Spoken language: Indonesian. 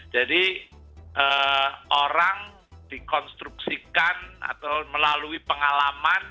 jadi orang dikonstruksikan atau melalui pengalaman